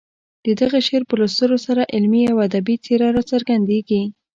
د دغه شعر په لوستلو سره علمي او ادبي څېره راڅرګندېږي.